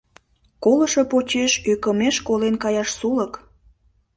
Колышо почеш ӧкымеш колен каяш сулык.